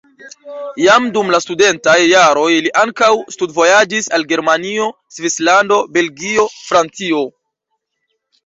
Jam dum la studentaj jaroj li ankaŭ studvojaĝis al Germanio, Svislando, Belgio, Francio.